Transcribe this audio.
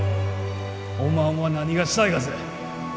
おまんは何がしたいがぜ？